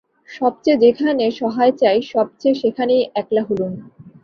সব চেয়ে যেখানে সহায় চাই সব চেয়ে সেখানেই একলা হলুম।